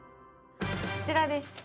こちらです。